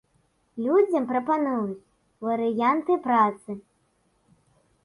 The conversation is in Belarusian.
Людзям прапануюць варыянты працы.